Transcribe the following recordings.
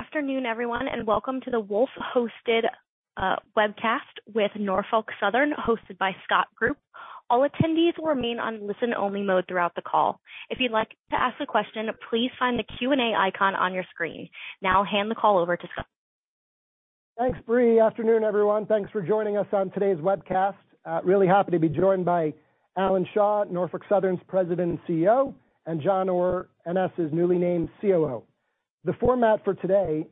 Good afternoon, everyone, and welcome to the Wolfe-hosted webcast with Norfolk Southern, hosted by Scott Group. All attendees will remain on listen-only mode throughout the call. If you'd like to ask a question, please find the Q&A icon on your screen. Now I'll hand the call over to Scott. Thanks, Brie. Afternoon, everyone. Thanks for joining us on today's webcast. Really happy to be joined by Alan Shaw, Norfolk Southern's President and CEO, and John Orr, NS's newly named COO. The format for today,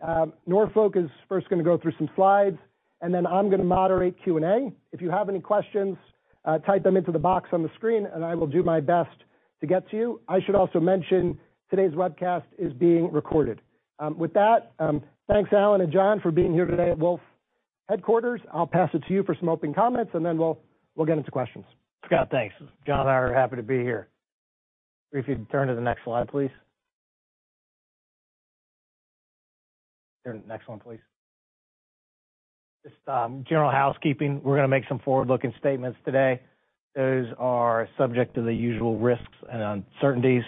Norfolk is first going to go through some slides, and then I'm going to moderate Q&A. If you have any questions, type them into the box on the screen, and I will do my best to get to you. I should also mention today's webcast is being recorded. With that, thanks, Alan and John, for being here today at Wolfe headquarters. I'll pass it to you for some opening comments, and then we'll get into questions. Scott, thanks. John and I are happy to be here. If you'd turn to the next slide, please. Turn to the next one, please. Just, general housekeeping. We're going to make some forward-looking statements today. Those are subject to the usual risks and uncertainties.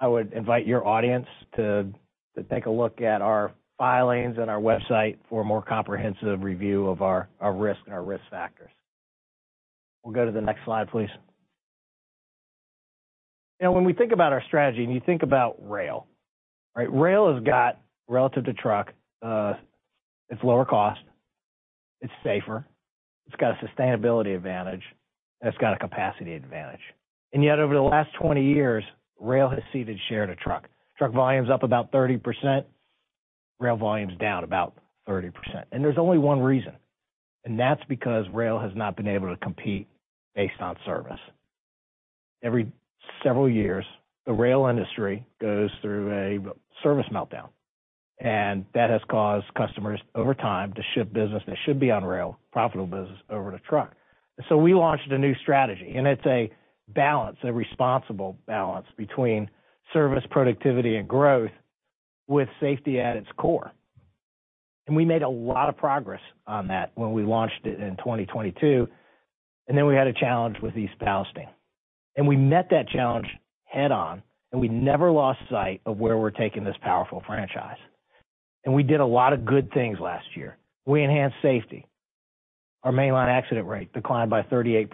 I would invite your audience to take a look at our filings and our website for a more comprehensive review of our risk and our risk factors. We'll go to the next slide, please. Now, when we think about our strategy, and you think about rail, right? Rail has got, relative to truck, it's lower cost, it's safer, it's got a sustainability advantage, and it's got a capacity advantage. Yet, over the last 20 years, rail has ceded share to truck. Truck volume's up about 30%, rail volume's down about 30%. There's only one reason, and that's because rail has not been able to compete based on service. Every several years, the rail industry goes through a service meltdown, and that has caused customers over time to ship business that should be on rail, profitable business, over to truck. So we launched a new strategy, and it's a balance, a responsible balance between service, productivity, and growth, with safety at its core. And we made a lot of progress on that when we launched it in 2022, and then we had a challenge with East Palestine. And we met that challenge head-on, and we never lost sight of where we're taking this powerful franchise. And we did a lot of good things last year. We enhanced safety. Our mainline accident rate declined by 38%,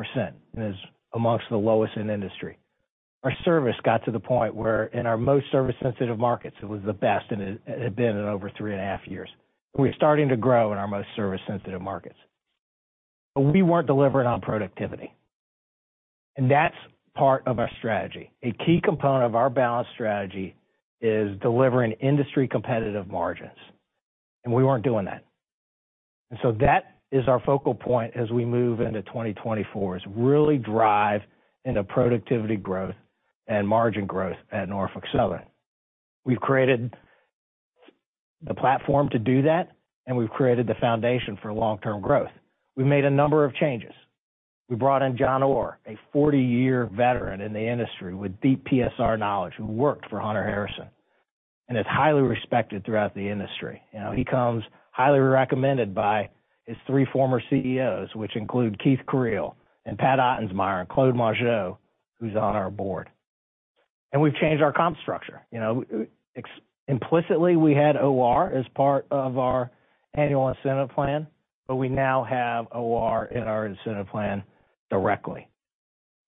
and is among the lowest in the industry. Our service got to the point where, in our most service-sensitive markets, it was the best it has, it had been in over 3.5 years. We're starting to grow in our most service-sensitive markets. But we weren't delivering on productivity, and that's part of our strategy. A key component of our balanced strategy is delivering industry-competitive margins, and we weren't doing that. And so that is our focal point as we move into 2024, is really drive into productivity growth and margin growth at Norfolk Southern. We've created the platform to do that, and we've created the foundation for long-term growth. We made a number of changes. We brought in John Orr, a 40-year veteran in the industry with deep PSR knowledge, who worked for Hunter Harrison, and is highly respected throughout the industry. You know, he comes highly recommended by his three former CEOs, which include Keith Creel and Pat Ottensmeyer, and Claude Mongeau, who's on our board. We've changed our comp structure. You know, implicitly, we had OR as part of our annual incentive plan, but we now have OR in our incentive plan directly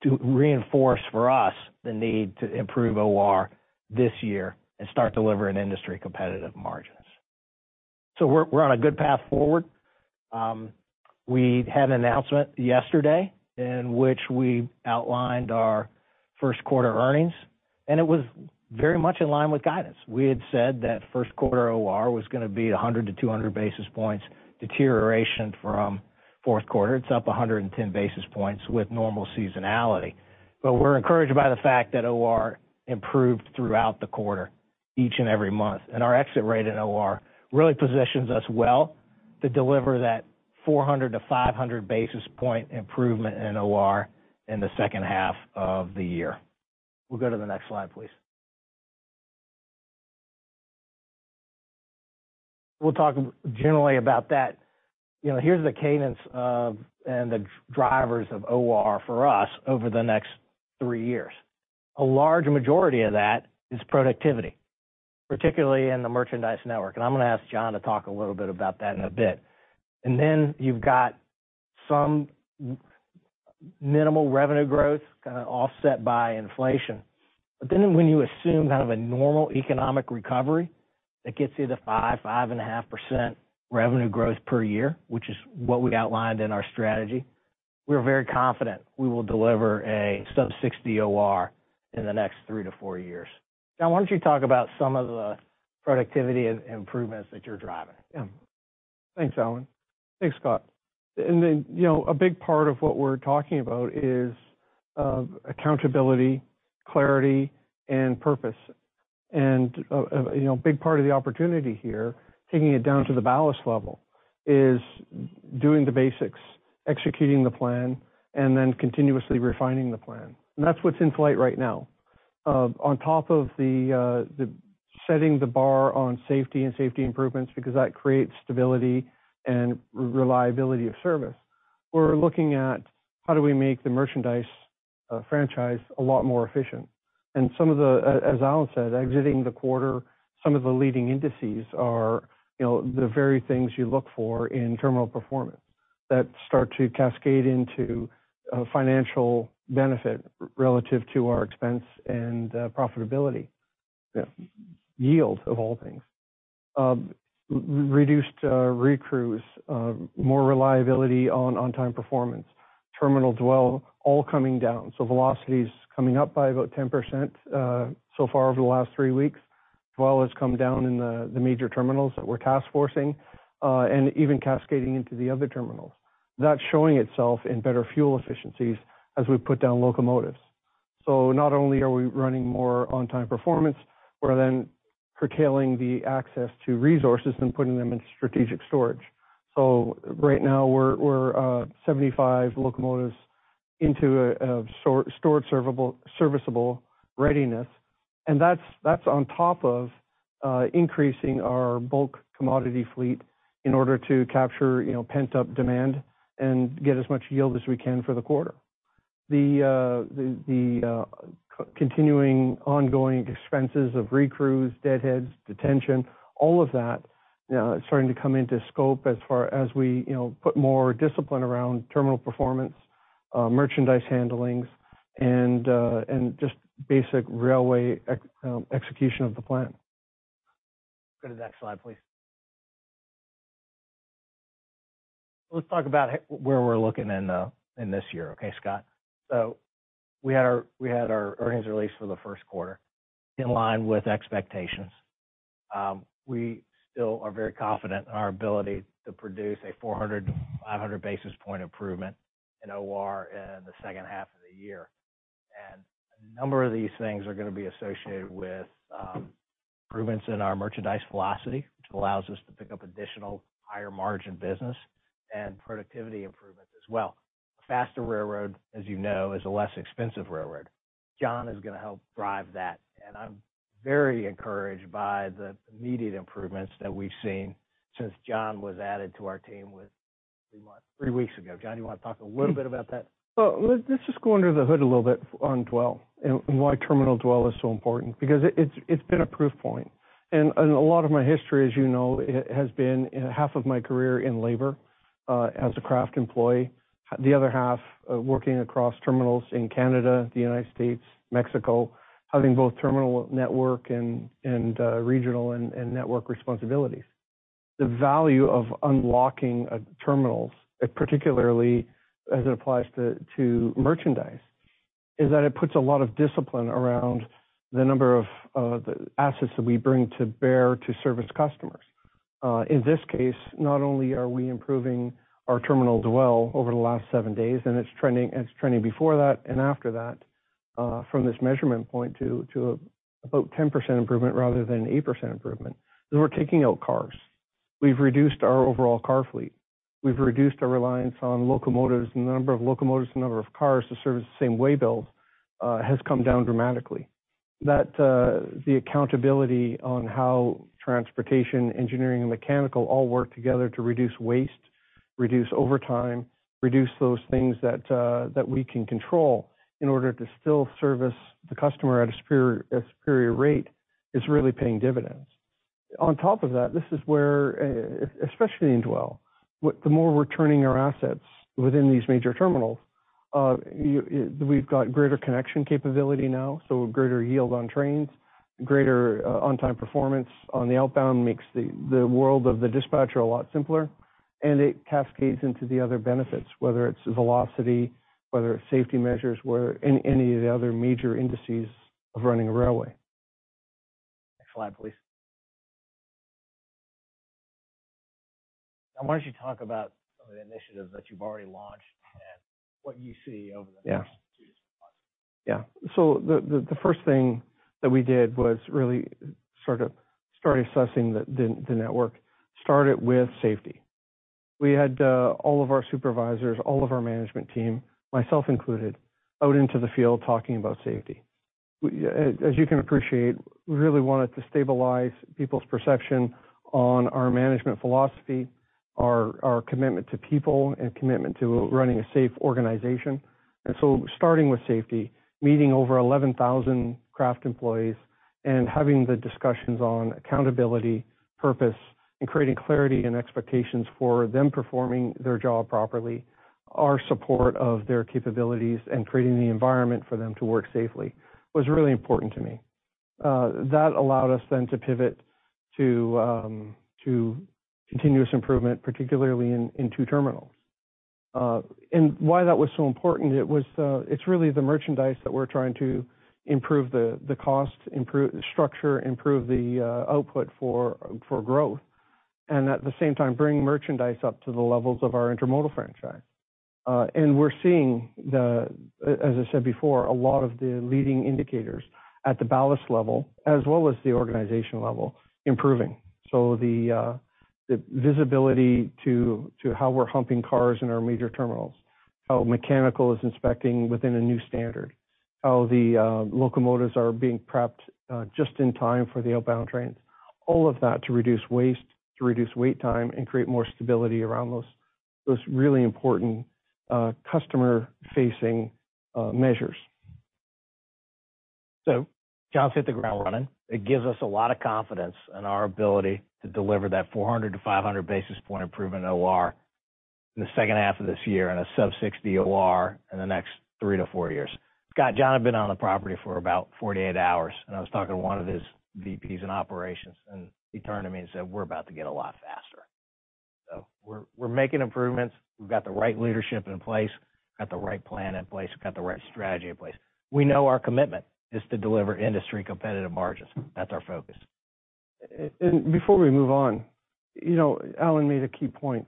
to reinforce for us the need to improve OR this year and start delivering industry-competitive margins. So we're on a good path forward. We had an announcement yesterday in which we outlined our first quarter earnings, and it was very much in line with guidance. We had said that first quarter OR was going to be 100-200 basis points deterioration from fourth quarter. It's up 110 basis points with normal seasonality. But we're encouraged by the fact that OR improved throughout the quarter, each and every month. And our exit rate in OR really positions us well to deliver that 400-500 basis point improvement in OR in the second half of the year. We'll go to the next slide, please. We'll talk generally about that. You know, here's the cadence of, and the drivers of OR for us over the next three years. A large majority of that is productivity, particularly in the merchandise network, and I'm going to ask John to talk a little bit about that in a bit. And then you've got some minimal revenue growth, kind of offset by inflation. But then when you assume kind of a normal economic recovery, that gets you to 5%-5.5% revenue growth per year, which is what we outlined in our strategy. We're very confident we will deliver a sub-60 OR in the next three to four years. John, why don't you talk about some of the productivity and improvements that you're driving? Yeah. Thanks, Alan. Thanks, Scott. And then, you know, a big part of what we're talking about is accountability, clarity, and purpose. And you know, a big part of the opportunity here, taking it down to the ballast level, is doing the basics, executing the plan, and then continuously refining the plan. And that's what's in flight right now. On top of setting the bar on safety and safety improvements, because that creates stability and reliability of service, we're looking at how do we make the merchandise franchise a lot more efficient. And some of the, as Alan said, exiting the quarter, some of the leading indices are, you know, the very things you look for in terminal performance, that start to cascade into financial benefit relative to our expense and profitability. Yeah, yield of all things. Reduced recrews, more reliability on on-time performance, terminal dwell, all coming down. So velocity is coming up by about 10%, so far over the last three weeks. Dwell has come down in the major terminals that we're task forcing, and even cascading into the other terminals. That's showing itself in better fuel efficiencies as we put down locomotives. So not only are we running more on-time performance, we're then curtailing the access to resources and putting them in strategic storage. So right now, we're 75 locomotives into a stored serviceable readiness, and that's on top of increasing our bulk commodity fleet in order to capture, you know, pent-up demand and get as much yield as we can for the quarter. The continuing ongoing expenses of recrews, deadheads, detention, all of that, starting to come into scope as far as we, you know, put more discipline around terminal performance, merchandise handling, and just basic railway execution of the plan. Go to the next slide, please. Let's talk about where we're looking in this year, okay, Scott? So we had our, we had our earnings release for the first quarter, in line with expectations. We still are very confident in our ability to produce a 400-500 basis point improvement in OR in the second half of the year. And a number of these things are gonna be associated with improvements in our merchandise velocity, which allows us to pick up additional higher-margin business and productivity improvements as well. A faster railroad, as you know, is a less expensive railroad. John is gonna help drive that, and I'm very encouraged by the immediate improvements that we've seen since John was added to our team three months--three weeks ago. John, you wanna talk a little bit about that? Well, let's just go under the hood a little bit on dwell and why terminal dwell is so important, because it's been a proof point. And a lot of my history, as you know, it has been in half of my career in labor as a craft employee, the other half working across terminals in Canada, the United States, Mexico, having both terminal network and regional and network responsibilities. The value of unlocking terminals, and particularly as it applies to merchandise, is that it puts a lot of discipline around the number of the assets that we bring to bear to service customers. In this case, not only are we improving our terminal dwell over the last 7 days, and it's trending, and it's trending before that and after that, from this measurement point to about 10% improvement rather than 8% improvement, is we're taking out cars. We've reduced our overall car fleet. We've reduced our reliance on locomotives. The number of locomotives and number of cars to service the same waybill has come down dramatically. That the accountability on how transportation, engineering, and mechanical all work together to reduce waste, reduce overtime, reduce those things that we can control in order to still service the customer at a superior, a superior rate, is really paying dividends. On top of that, this is where, especially in dwell, with the more we're turning our assets within these major terminals, you... We've got greater connection capability now, so greater yield on trains, greater on-time performance on the outbound makes the world of the dispatcher a lot simpler, and it cascades into the other benefits, whether it's velocity, whether it's safety measures, whether any of the other major indices of running a railway. Next slide, please. Why don't you talk about some of the initiatives that you've already launched and what you see over the next- Yeah two to three months? Yeah. So the first thing that we did was really sort of start assessing the network. Started with safety. We had all of our supervisors, all of our management team, myself included, out into the field, talking about safety. We, as you can appreciate, we really wanted to stabilize people's perception on our management philosophy, our commitment to people, and commitment to running a safe organization. And so starting with safety, meeting over 11,000 craft employees and having the discussions on accountability, purpose, and creating clarity and expectations for them performing their job properly, our support of their capabilities, and creating the environment for them to work safely, was really important to me. That allowed us then to pivot to continuous improvement, particularly in two terminals. And why that was so important, it was, it's really the merchandise that we're trying to improve the, the cost, improve the structure, improve the, output for, for growth, and at the same time, bring merchandise up to the levels of our intermodal franchise. And we're seeing the, as I said before, a lot of the leading indicators at the ballast level, as well as the organization level, improving. So the, the visibility to, to how we're humping cars in our major terminals, how mechanical is inspecting within a new standard. How the, locomotives are being prepped, just in time for the outbound trains. All of that to reduce waste, to reduce wait time, and create more stability around those, those really important, customer-facing, measures. So John's hit the ground running. It gives us a lot of confidence in our ability to deliver that 400-500 basis point improvement in OR in the second half of this year, and a sub-60 OR in the next 3-4 years. Scott, John had been on the property for about 48 hours, and I was talking to one of his VPs in operations, and he turned to me and said, "We're about to get a lot faster." So we're, we're making improvements. We've got the right leadership in place, got the right plan in place, we've got the right strategy in place. We know our commitment is to deliver industry-competitive margins. That's our focus. And before we move on, you know, Alan made a key point.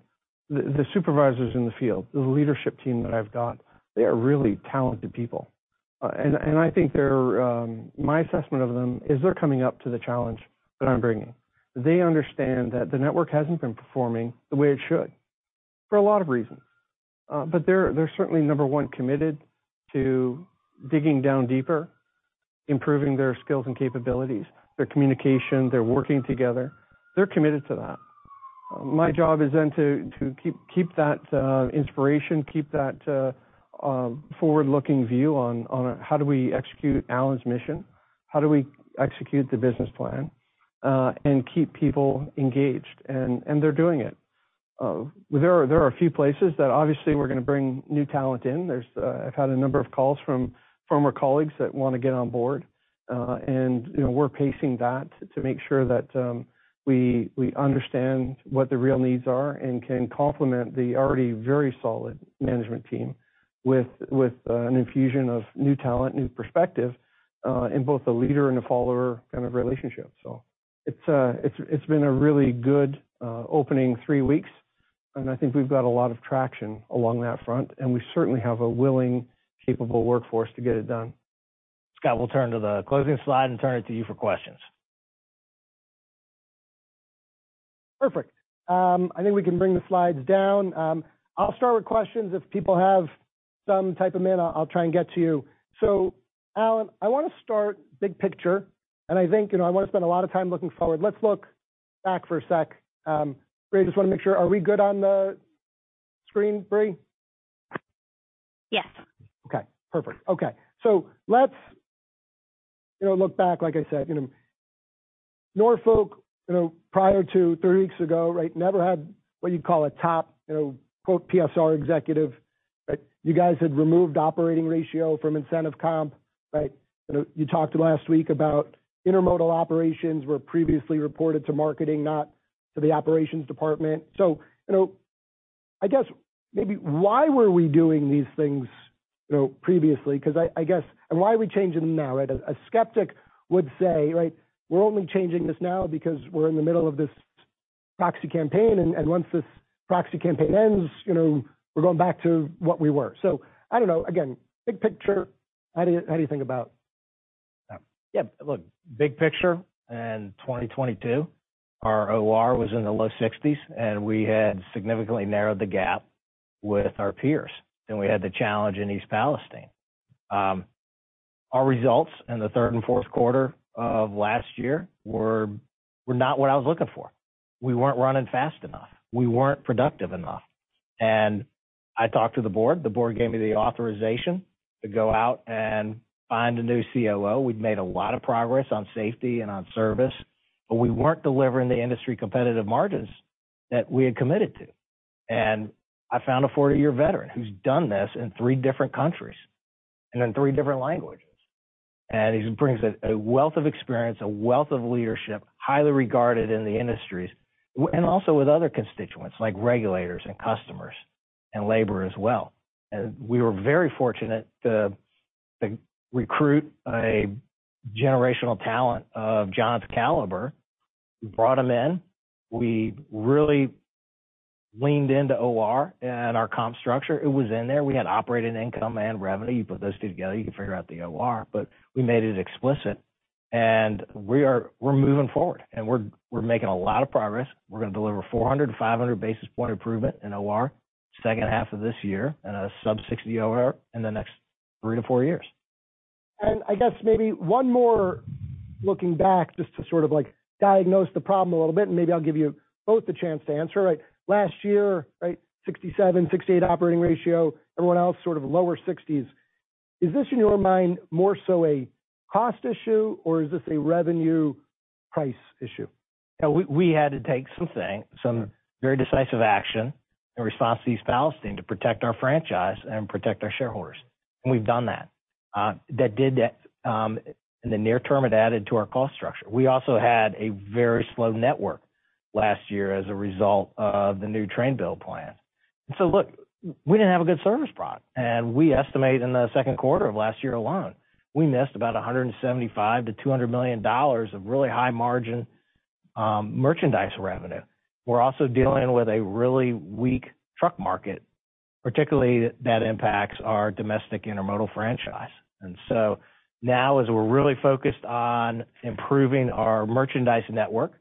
The supervisors in the field, the leadership team that I've got, they are really talented people. And I think they're. My assessment of them is they're coming up to the challenge that I'm bringing. They understand that the network hasn't been performing the way it should, for a lot of reasons. But they're certainly, number one, committed to digging down deeper, improving their skills and capabilities, their communication, their working together. They're committed to that. My job is then to keep that inspiration, keep that forward-looking view on how do we execute Alan's mission? How do we execute the business plan, and keep people engaged? And they're doing it. There are a few places that obviously we're gonna bring new talent in. I've had a number of calls from former colleagues that want to get on board. You know, we're pacing that to make sure that we understand what the real needs are and can complement the already very solid management team with an infusion of new talent, new perspective, in both a leader and a follower kind of relationship. So it's been a really good opening three weeks, and I think we've got a lot of traction along that front, and we certainly have a willing, capable workforce to get it done. Scott, we'll turn to the closing slide and turn it to you for questions. Perfect. I think we can bring the slides down. I'll start with questions. If people have some, type them in, I'll try and get to you. So Alan, I want to start big picture, and I think, you know, I want to spend a lot of time looking forward. Let's look back for a sec. Brie, I just want to make sure, are we good on the screen, Brie? Yes. Okay, perfect. Okay, so let's, you know, look back, like I said, you know, Norfolk, you know, prior to three weeks ago, right, never had what you'd call a top, you know, quote, PSR executive, right? You guys had removed operating ratio from incentive comp, right? You know, you talked last week about intermodal operations were previously reported to marketing, not to the operations department. So, you know, I guess maybe why were we doing these things, you know, previously? Because I, I guess. And why are we changing them now, right? A skeptic would say, right, "We're only changing this now because we're in the middle of this proxy campaign, and, and once this proxy campaign ends, you know, we're going back to what we were." So I don't know. Again, big picture, how do you, how do you think about...? Yeah, look, big picture, in 2022, our OR was in the low 60s, and we had significantly narrowed the gap with our peers, and we had the challenge in East Palestine. Our results in the third and fourth quarter of last year were not what I was looking for. We weren't running fast enough. We weren't productive enough. And I talked to the board. The board gave me the authorization to go out and find a new COO. We'd made a lot of progress on safety and on service, but we weren't delivering the industry-competitive margins that we had committed to. And I found a 40-year veteran who's done this in three different countries and in three different languages. He brings a wealth of experience, a wealth of leadership, highly regarded in the industries, and also with other constituents, like regulators and customers, and labor as well. We were very fortunate to recruit a generational talent of John's caliber. We brought him in. We really leaned into OR and our comp structure. It was in there. We had operating income and revenue. You put those two together, you can figure out the OR, but we made it explicit. We are, we're moving forward, and we're making a lot of progress. We're gonna deliver 400-500 basis point improvement in OR second half of this year, and a sub-60 OR in the next three to four years. I guess maybe one more looking back, just to sort of, like, diagnose the problem a little bit, and maybe I'll give you both the chance to answer, right? Last year, right, 67, 68 operating ratio, everyone else, sort of lower 60s. Is this, in your mind, more so a cost issue, or is this a revenue price issue? Yeah, we, we had to take some very decisive action in response to East Palestine to protect our franchise and protect our shareholders, and we've done that. That did, in the near term, it added to our cost structure. We also had a very slow network last year as a result of the new train build plan. So look, we didn't have a good service product, and we estimate in the second quarter of last year alone, we missed about $175 million-$200 million of really high-margin merchandise revenue. We're also dealing with a really weak truck market, particularly that impacts our domestic intermodal franchise. And so now, as we're really focused on improving our merchandise network,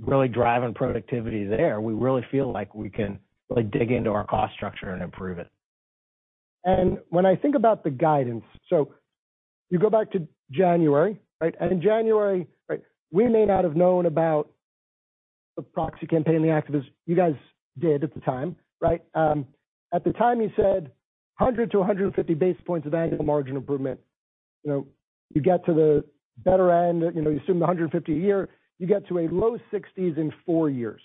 really driving productivity there, we really feel like we can really dig into our cost structure and improve it. When I think about the guidance, so you go back to January, right? And in January, right, we may not have known about the proxy campaign, the activists. You guys did at the time, right? At the time, you said 100-150 basis points of annual margin improvement. You know, you get to the better end, you know, you assume 150 a year, you get to a low 60s in 4 years.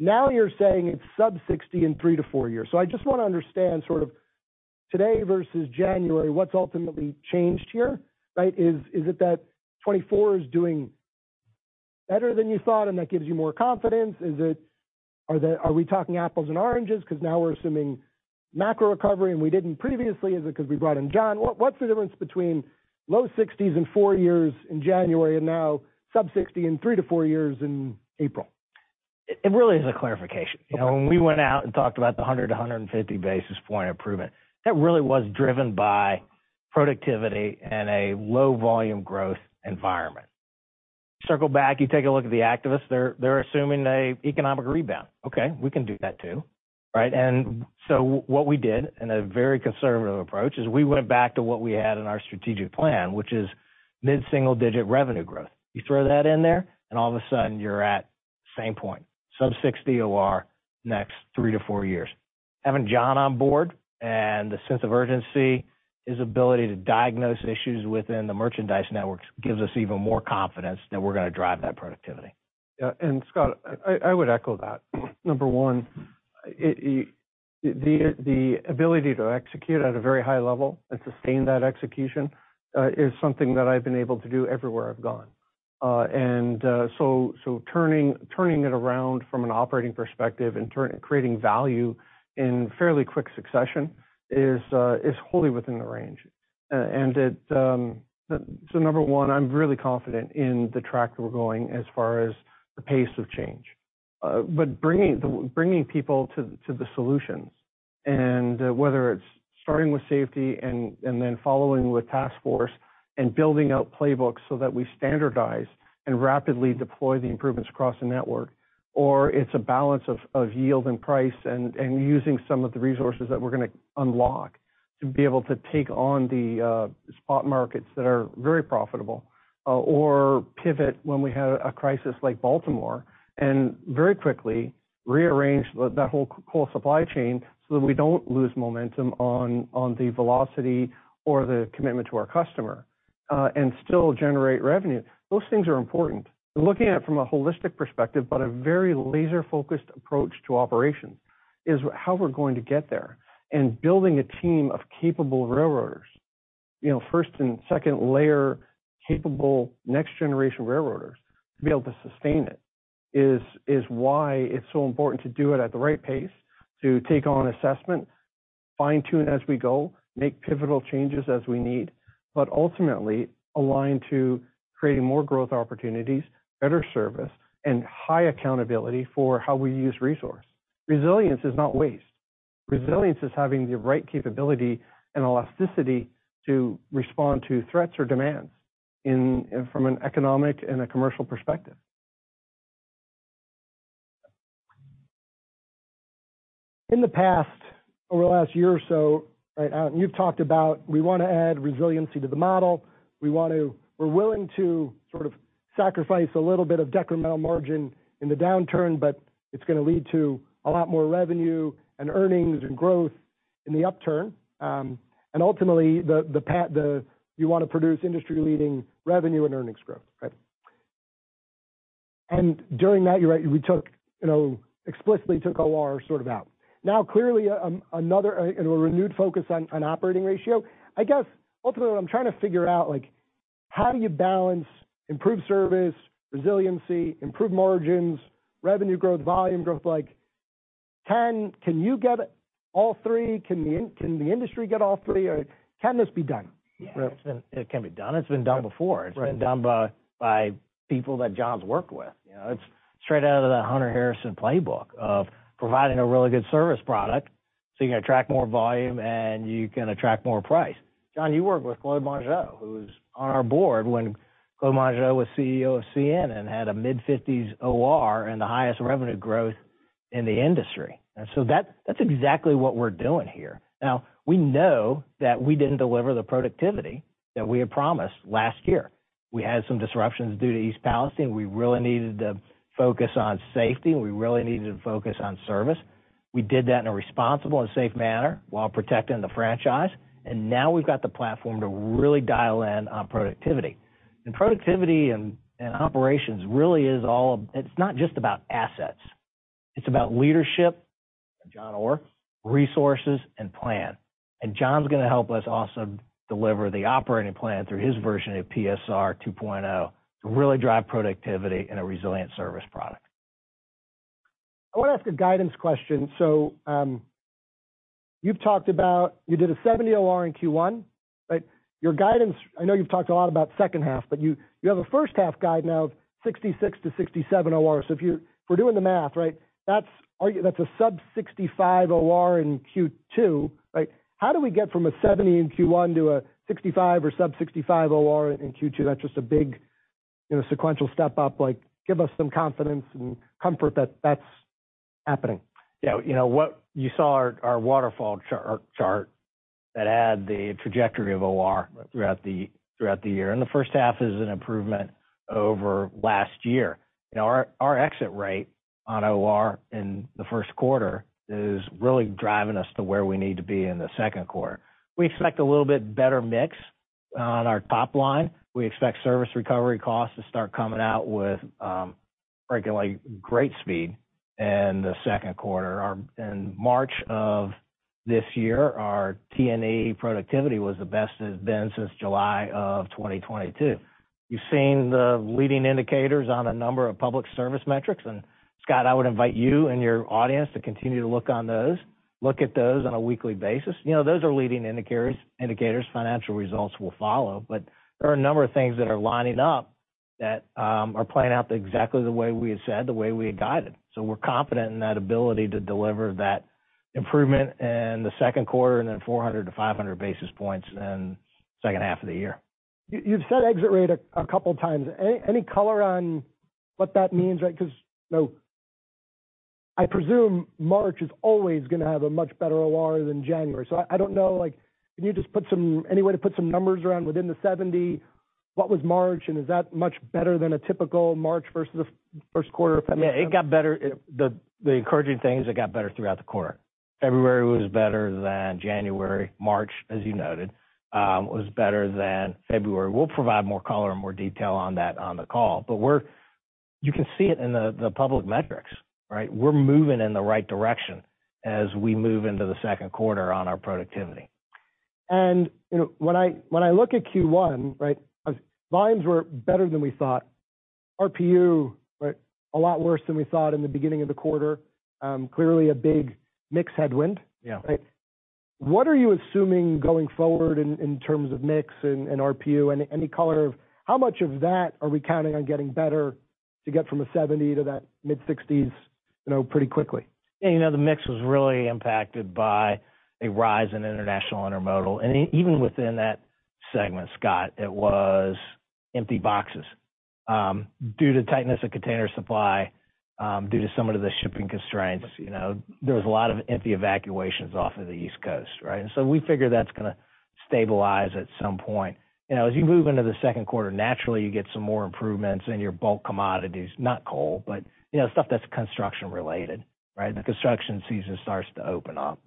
Now, you're saying it's sub 60 in three to four years. So I just want to understand sort of today versus January, what's ultimately changed here, right? Is it that 2024 is doing better than you thought, and that gives you more confidence? Is it we talking apples and oranges? Because now we're assuming macro recovery, and we didn't previously. Is it because we brought in John? What, what's the difference between low 60s and four years in January and now sub 60 in three to four years in April? It really is a clarification. You know, when we went out and talked about the 100-150 basis point improvement, that really was driven by productivity and a low volume growth environment. Circle back, you take a look at the activists, they're assuming an economic rebound. Okay, we can do that, too, right? And so what we did, in a very conservative approach, is we went back to what we had in our strategic plan, which is mid-single-digit revenue growth. You throw that in there, and all of a sudden, you're at same point, sub 60 OR next three to four years. Having John on board and the sense of urgency, his ability to diagnose issues within the merchandise networks, gives us even more confidence that we're gonna drive that productivity. Yeah, and Scott, I would echo that. Number one, the ability to execute at a very high level and sustain that execution is something that I've been able to do everywhere I've gone. So turning it around from an operating perspective and creating value in fairly quick succession is wholly within the range. So number one, I'm really confident in the track that we're going as far as the pace of change. But bringing people to the solutions, and whether it's starting with safety and then following with task force and building out playbooks so that we standardize and rapidly deploy the improvements across the network, or it's a balance of yield and price and using some of the resources that we're gonna unlock to be able to take on the spot markets that are very profitable, or pivot when we have a crisis like Baltimore, and very quickly rearrange that whole supply chain so that we don't lose momentum on the velocity or the commitment to our customer, and still generate revenue. Those things are important. Looking at it from a holistic perspective, but a very laser-focused approach to operation, is how we're going to get there. Building a team of capable railroaders, you know, first and second layer, capable, next-generation railroaders, to be able to sustain it, is why it's so important to do it at the right pace, to take on assessment, fine-tune as we go, make pivotal changes as we need, but ultimately align to creating more growth opportunities, better service, and high accountability for how we use resource. Resilience is not waste. Resilience is having the right capability and elasticity to respond to threats or demands in, from an economic and a commercial perspective. In the past, over the last year or so, right, and you've talked about, we wanna add resiliency to the model. We want to. We're willing to sort of sacrifice a little bit of decremental margin in the downturn, but it's gonna lead to a lot more revenue and earnings and growth in the upturn. And ultimately, you want to produce industry-leading revenue and earnings growth, right? And during that, you're right, we took, you know, explicitly took OR sort of out. Now, clearly, another, and a renewed focus on operating ratio. I guess, ultimately, what I'm trying to figure out, like, how do you balance improved service, resiliency, improved margins, revenue growth, volume growth? Like, can you get all three? Can the industry get all three, or can this be done? Yeah, it can be done. It's been done before. Right. It's been done by people that John's worked with. You know, it's straight out of the Hunter Harrison playbook of providing a really good service product, so you can attract more volume and you can attract more price. John, you worked with Claude Mongeau, who was on our board when Claude Mongeau was CEO of CN and had a mid-fifties OR and the highest revenue growth in the industry. And so that's exactly what we're doing here. Now, we know that we didn't deliver the productivity that we had promised last year. We had some disruptions due to East Palestine. We really needed to focus on safety, and we really needed to focus on service. We did that in a responsible and safe manner while protecting the franchise, and now we've got the platform to really dial in on productivity. Productivity and operations really is all, it's not just about assets. It's about leadership, and John Orr, resources, and plan. John's gonna help us also deliver the operating plan through his version of PSR 2.0, to really drive productivity and a resilient service product. I want to ask a guidance question. So, you've talked about... You did a 70 OR in Q1, right? Your guidance, I know you've talked a lot about second half, but you, you have a first half guide now of 66-67 OR. So if we're doing the math, right, that's a sub-65 OR in Q2, right? How do we get from a 70 in Q1 to a 65 or sub-65 OR in Q2? That's just a big, you know, sequential step up. Like, give us some confidence and comfort that that's happening. Yeah, you know, you saw our waterfall chart that had the trajectory of OR throughout the year, and the first half is an improvement over last year. You know, our exit rate on OR in the first quarter is really driving us to where we need to be in the second quarter. We expect a little bit better mix on our top line. We expect service recovery costs to start coming out with regularly great speed in the second quarter. In March of this year, our T&E productivity was the best it's been since July of 2022. You've seen the leading indicators on a number of public service metrics, and, Scott, I would invite you and your audience to continue to look on those. Look at those on a weekly basis. You know, those are leading indicators, financial results will follow. But there are a number of things that are lining up that are playing out exactly the way we had said, the way we had guided. So we're confident in that ability to deliver that improvement in the second quarter, and then 400-500 basis points in the second half of the year. You've said exit rate a couple of times. Any color on what that means, right? 'Cause, you know, I presume March is always gonna have a much better OR than January. So I don't know, like, can you just put some... Any way to put some numbers around within the 70? What was March, and is that much better than a typical March versus the first quarter of- Yeah, it got better. It. The encouraging thing is it got better throughout the quarter. February was better than January. March, as you noted, was better than February. We'll provide more color and more detail on that on the call, but we're. You can see it in the public metrics, right? We're moving in the right direction as we move into the second quarter on our productivity. You know, when I look at Q1, right, volumes were better than we thought. RPU, right, a lot worse than we thought in the beginning of the quarter. Clearly a big mix headwind. Yeah. Right. What are you assuming going forward in terms of mix and RPU, and any color of how much of that are we counting on getting better to get from a 70 to that mid-60s, you know, pretty quickly? Yeah, you know, the mix was really impacted by a rise in international intermodal. And even within that segment, Scott, it was empty boxes due to tightness of container supply due to some of the shipping constraints. You know, there was a lot of empty evacuations off of the East Coast, right? And so we figure that's gonna stabilize at some point. You know, as you move into the second quarter, naturally, you get some more improvements in your bulk commodities, not coal, but, you know, stuff that's construction-related, right? The construction season starts to open up.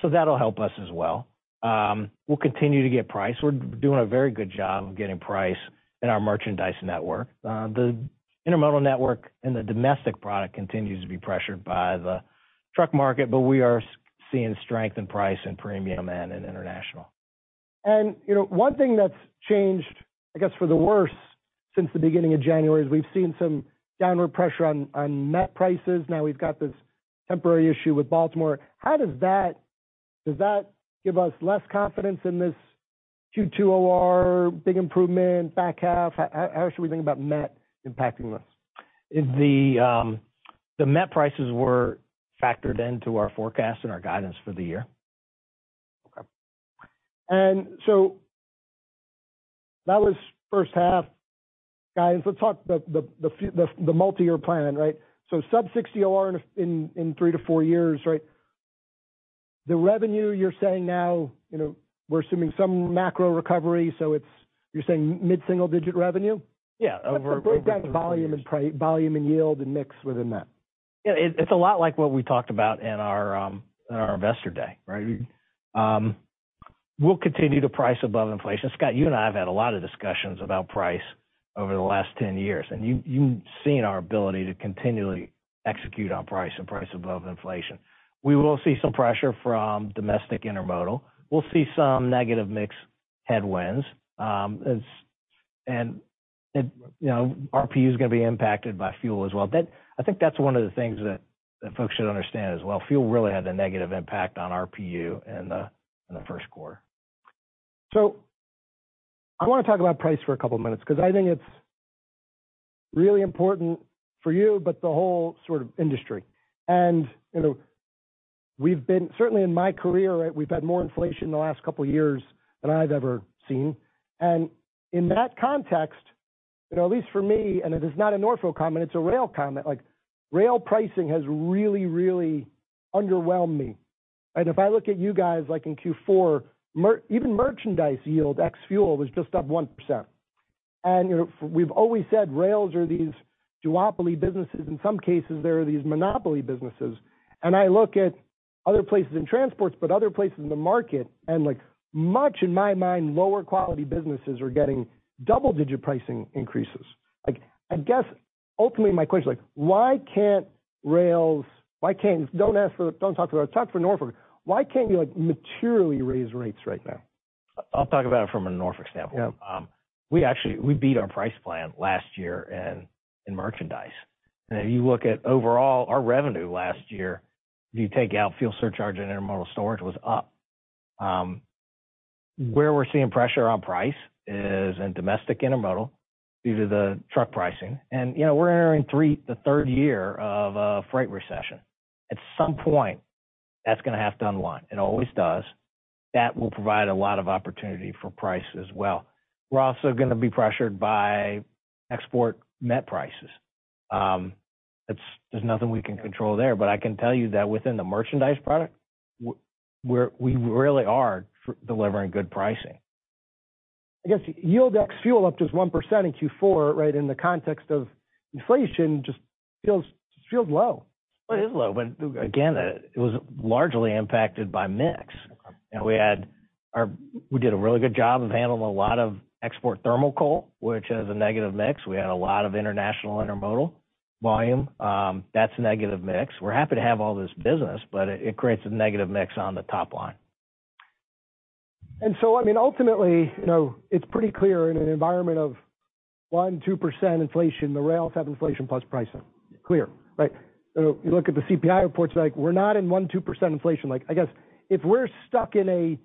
So that'll help us as well. We'll continue to get price. We're doing a very good job of getting price in our merchandise network. The intermodal network and the domestic product continues to be pressured by the truck market, but we are seeing strength in price and premium and in international. You know, one thing that's changed, I guess, for the worse since the beginning of January, is we've seen some downward pressure on, on net prices. Now we've got this temporary issue with Baltimore. How does that— Does that give us less confidence in this 22 OR, big improvement, back half? How, how, how should we think about net impacting this? The net prices were factored into our forecast and our guidance for the year. Okay. And so that was first half. Guys, let's talk the multi-year plan, right? So sub-60 OR in three to four years, right? The revenue, you're saying now, you know, we're assuming some macro recovery, so it's, you're saying mid-single-digit revenue? Yeah, over. But break down volume and price, volume and yield and mix within that. Yeah, it, it's a lot like what we talked about in our in our Investor Day, right? We'll continue to price above inflation. Scott, you and I have had a lot of discussions about price over the last 10 years, and you, you've seen our ability to continually execute on price and price above inflation. We will see some pressure from domestic intermodal. We'll see some negative mix headwinds, you know, RPU is gonna be impacted by fuel as well. That - I think that's one of the things that, that folks should understand as well. Fuel really had a negative impact on RPU in the in the first quarter. So I wanna talk about price for a couple of minutes because I think it's really important for you, but the whole sort of industry. And, you know, we've been—certainly in my career, right, we've had more inflation in the last couple of years than I've ever seen. And in that context, you know, at least for me, and it is not a Norfolk comment, it's a rail comment, like, rail pricing has really, really underwhelmed me. And if I look at you guys, like in Q4, even merchandise yield, ex-fuel, was just up 1%. And, you know, we've always said rails are these duopoly businesses. In some cases, they are these monopoly businesses. And I look at other places in transports, but other places in the market, and, like, much, in my mind, lower quality businesses are getting double-digit pricing increases. Like, I guess, ultimately, my question is, like, why can't rails— Why can't... Don't ask for, don't talk about, talk for Norfolk. Why can't you, like, materially raise rates right now? I'll talk about it from a Norfolk standpoint. Yeah. We actually, we beat our price plan last year in merchandise. Now, you look at overall, our revenue last year, if you take out fuel surcharge and intermodal storage, was up. Where we're seeing pressure on price is in domestic intermodal due to the truck pricing. You know, we're entering the third year of a freight recession. At some point... That's gonna have to unwind. It always does. That will provide a lot of opportunity for price as well. We're also gonna be pressured by export net prices. That's, there's nothing we can control there, but I can tell you that within the merchandise product, we're really delivering good pricing. I guess, yield ex fuel up to just 1% in Q4, right, in the context of inflation, just feels, feels low. It is low, but again, it was largely impacted by mix. You know, we did a really good job of handling a lot of export thermal coal, which has a negative mix. We had a lot of international intermodal volume, that's a negative mix. We're happy to have all this business, but it, it creates a negative mix on the top line. And so, I mean, ultimately, you know, it's pretty clear in an environment of 1%-2% inflation, the rails have inflation plus pricing. Clear, right? You look at the CPI reports, like, we're not in 1%-2% inflation. Like, I guess, if we're stuck in a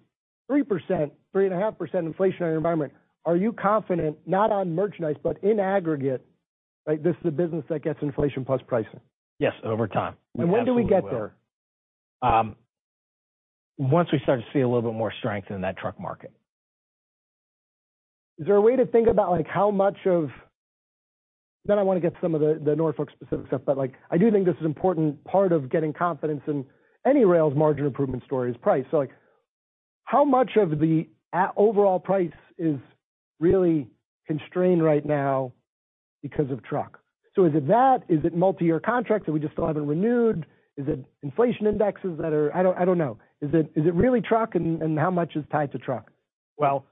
3%-3.5% inflationary environment, are you confident, not on merchandise, but in aggregate, right, this is a business that gets inflation plus pricing? Yes, over time. When do we get there? Once we start to see a little bit more strength in that truck market. Is there a way to think about, like, how much of... Then I want to get some of the, the Norfolk specific stuff, but, like, I do think this is important part of getting confidence in any rail's margin improvement story is price. So, like, how much of the overall price is really constrained right now because of truck? So is it that? Is it multi-year contracts that we just don't have it renewed? Is it inflation indexes that are-- I don't, I don't know. Is it, is it really truck, and, and how much is tied to truck? Well,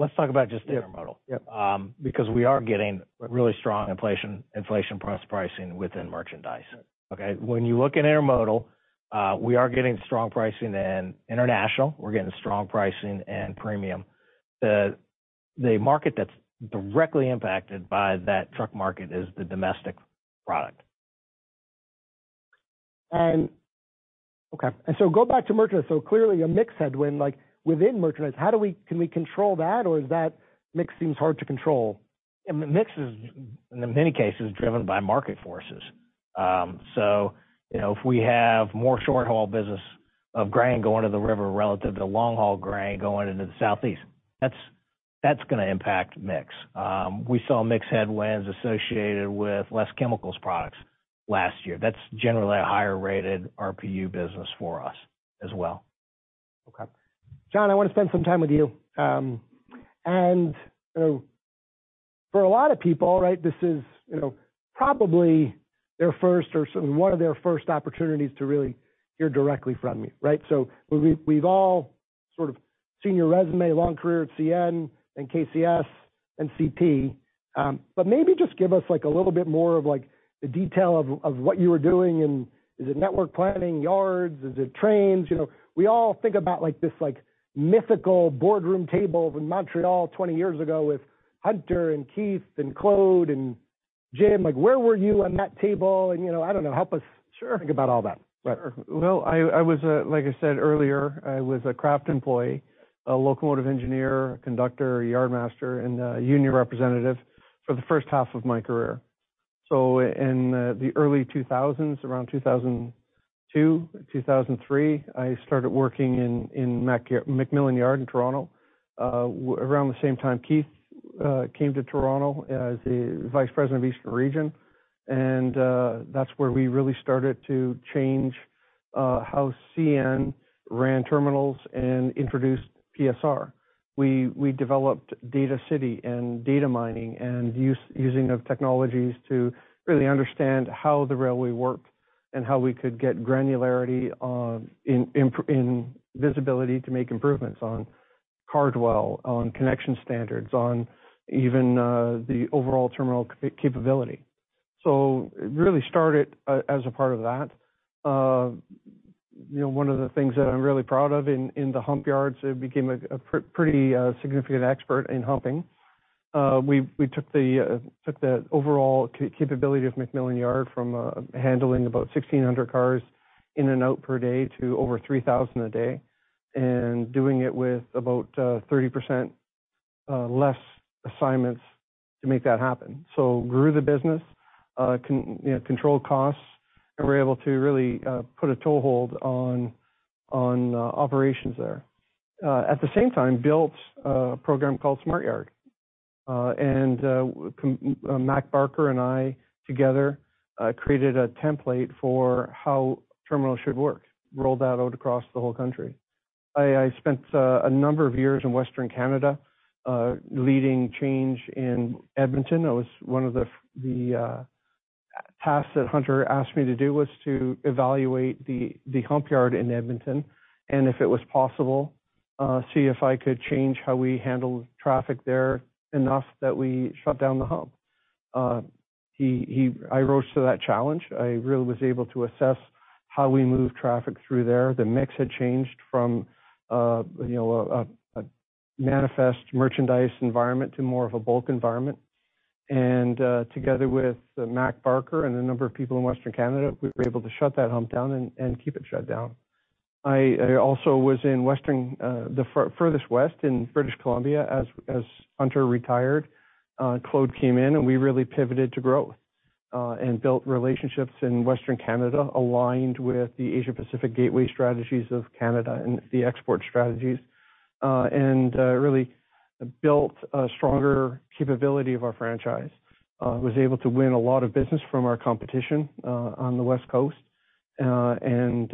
let's talk about just intermodal. Yep. Because we are getting really strong inflation pricing within merchandise, okay? When you look at intermodal, we are getting strong pricing in international, we're getting strong pricing and premium. The market that's directly impacted by that truck market is the domestic product. Okay, go back to merchandise. So clearly, a mix headwind, like, within merchandise, how can we control that, or is that mix seems hard to control? The mix is- In many cases, driven by market forces. You know, if we have more short-haul business of grain going to the river relative to long-haul grain going into the Southeast, that's gonna impact mix. We saw mix headwinds associated with less chemicals products last year. That's generally a higher-rated RPU business for us as well. Okay. John, I want to spend some time with you. And, you know, for a lot of people, right, this is, you know, probably their first or one of their first opportunities to really hear directly from you, right? So we've all sort of seen your resume, long career at CN and KCS and CP, but maybe just give us, like, a little bit more of, like, the detail of what you were doing, and is it network planning, yards? Is it trains? You know, we all think about, like, this, like, mythical boardroom table in Montreal 20 years ago with Hunter and Keith and Claude and Jim. Like, where were you on that table? And, you know, I don't know, help us- Sure. Think about all that. Sure. Well, like I said earlier, I was a craft employee, a locomotive engineer, conductor, yard master, and a union representative for the first half of my career. So in the early 2000s, around 2002, 2003, I started working in MacMillan Yard in Toronto. Around the same time, Keith came to Toronto as the Vice President of Eastern Region, and that's where we really started to change how CN ran terminals and introduced PSR. We developed Data City and data mining, and using of technologies to really understand how the railway worked and how we could get granularity in visibility to make improvements on car dwell, on connection standards, on even the overall terminal capability. So it really started as a part of that. You know, one of the things that I'm really proud of in the hump yards, I became a pretty significant expert in humping. We took the overall capability of MacMillan Yard from handling about 1,600 cars in and out per day to over 3,000 a day, and doing it with about 30% less assignments to make that happen. So grew the business, you know, controlled costs, and we were able to really put a toehold on operations there. At the same time, built a program called Smart Yard. And Mack Barker and I together created a template for how terminals should work, rolled that out across the whole country. I spent a number of years in Western Canada leading change in Edmonton. It was one of the tasks that Hunter asked me to do, was to evaluate the hump yard in Edmonton, and if it was possible, see if I could change how we handled traffic there enough that we shut down the hump. I rose to that challenge. I really was able to assess how we moved traffic through there. The mix had changed from, you know, a manifest merchandise environment to more of a bulk environment. And together with Mack Barker and a number of people in Western Canada, we were able to shut that hump down and keep it shut down. I also was in Western, the furthest west in British Columbia. As Hunter retired, Claude came in, and we really pivoted to growth and built relationships in Western Canada, aligned with the Asia-Pacific Gateway strategies of Canada and the export strategies, and really built a stronger capability of our franchise. Was able to win a lot of business from our competition on the West Coast, and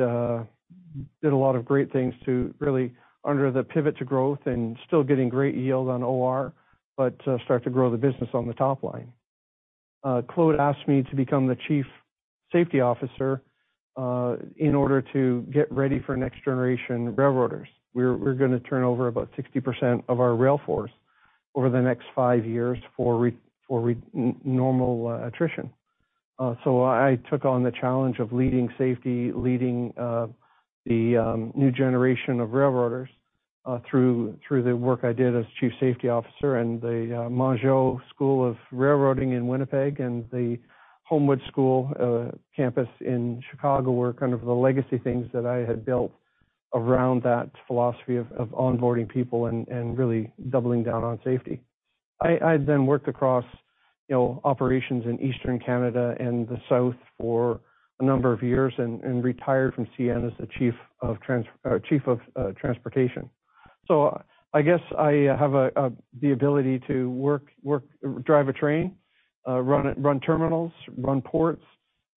did a lot of great things to really under the pivot to growth and still getting great yield on OR, but start to grow the business on the top line. Claude asked me to become the Chief Safety Officer in order to get ready for next generation railroaders. We're gonna turn over about 60% of our rail force over the next five years for normal attrition. So I took on the challenge of leading safety, leading, the new generation of railroaders, through, through the work I did as Chief Safety Officer and the Mongeau School of Railroading in Winnipeg and the Homewood School campus in Chicago, were kind of the legacy things that I had built around that philosophy of onboarding people and really doubling down on safety. I then worked across, you know, operations in Eastern Canada and the South for a number of years and retired from CN as the Chief of Transportation. So I guess I have the ability to work, drive a train, run terminals, run ports,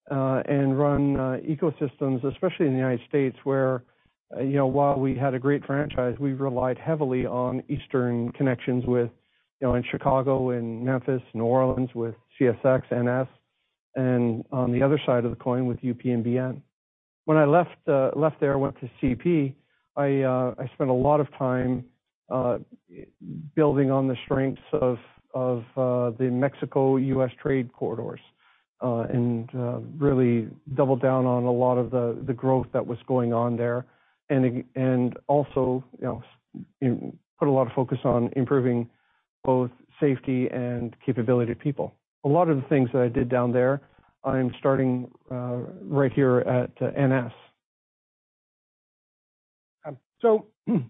and run ecosystems, especially in the United States, where, you know, while we had a great franchise, we relied heavily on eastern connections with, you know, in Chicago, in Memphis, New Orleans, with CSX, NS, and on the other side of the coin, with UP and BN. When I left there, I went to CP. I spent a lot of time building on the strengths of the Mexico-U.S. trade corridors and really doubled down on a lot of the growth that was going on there, and also, you know, put a lot of focus on improving both safety and capability of people. A lot of the things that I did down there, I'm starting right here at NS. So, you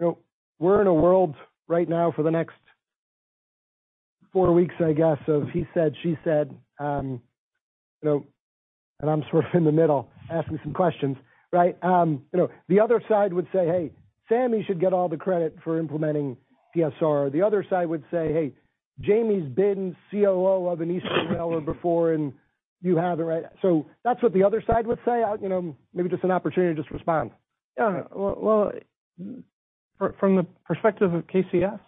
know, we're in a world right now for the next four weeks, I guess, of he said, she said. You know, I'm sort of in the middle, asking some questions, right? You know, the other side would say: Hey, Sameh should get all the credit for implementing PSR. The other side would say: Hey, Jamie's been COO of an Eastern railroad before, and you have it, right? That's what the other side would say. You know, maybe just an opportunity to just respond. Yeah. Well, from the perspective of KCS,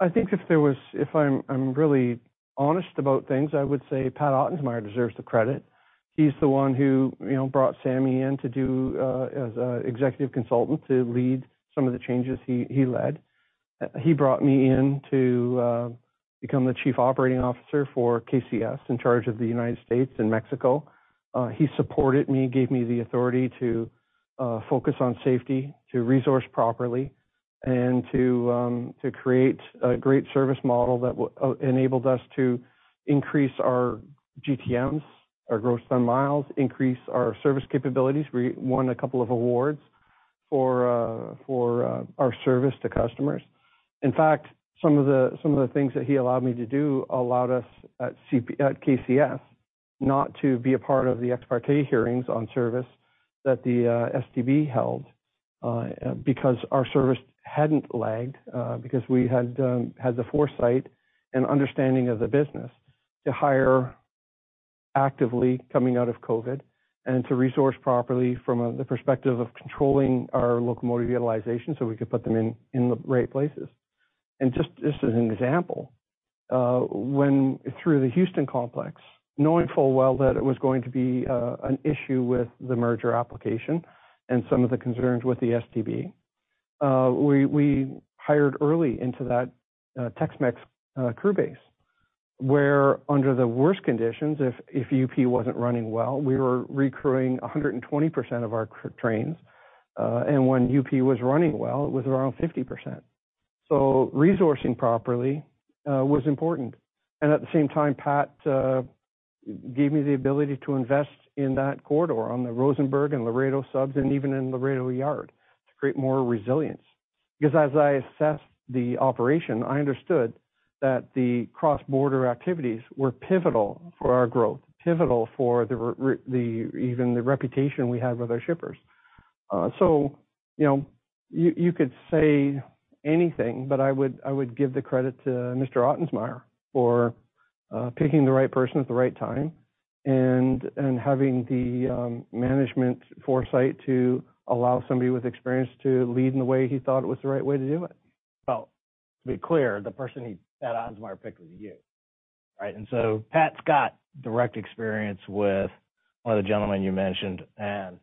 I think if I'm really honest about things, I would say Pat Ottensmeyer deserves the credit. He's the one who, you know, brought Sameh in to do as an executive consultant, to lead some of the changes he led. He brought me in to become the Chief Operating Officer for KCS, in charge of the United States and Mexico. He supported me, gave me the authority to focus on safety, to resource properly, and to create a great service model that enabled us to increase our GTMs, our gross ton miles, increase our service capabilities. We won a couple of awards for our service to customers. In fact, some of the things that he allowed me to do allowed us at CP-- at KCS, not to be a part of the ex parte hearings on service that the STB held, because our service hadn't lagged, because we had had the foresight and understanding of the business to hire actively coming out of COVID, and to resource properly from the perspective of controlling our locomotive utilization, so we could put them in the right places. And just as an example, when through the Houston complex, knowing full well that it was going to be an issue with the merger application and some of the concerns with the STB, we hired early into that Tex-Mex crew base, where under the worst conditions, if UP wasn't running well, we were recruiting 100% of our crew trains. And when UP was running well, it was around 50%. So resourcing properly was important. And at the same time, Pat gave me the ability to invest in that corridor on the Rosenberg and Laredo subs and even in Laredo Yard, to create more resilience. Because as I assessed the operation, I understood that the cross-border activities were pivotal for our growth, pivotal for the, even the reputation we had with our shippers. So you know, you could say anything, but I would give the credit to Mr. Ottensmeyer for picking the right person at the right time, and having the management foresight to allow somebody with experience to lead in the way he thought was the right way to do it. Well, to be clear, the person that Ottensmeyer picked was you, right? And so Pat's got direct experience with one of the gentlemen you mentioned, and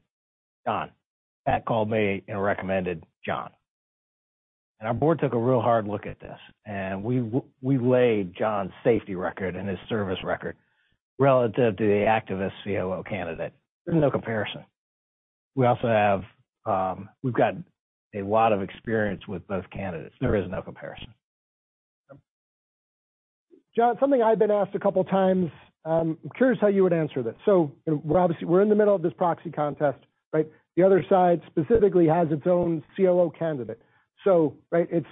John. Pat called me and recommended John. And our board took a real hard look at this, and we weighed John's safety record and his service record relative to the activist COO candidate. There's no comparison. We also have, we've got a lot of experience with both candidates. There is no comparison. John, something I've been asked a couple times, I'm curious how you would answer this. So we're obviously in the middle of this proxy contest, right? The other side specifically has its own COO candidate. So, right, it's